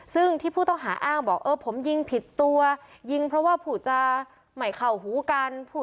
ซึ่งที่ผู้ต้องหาอ้างบอกเออผมยิงผิดตัวยิงเพราะว่าผูจาใหม่เข้าหูกัน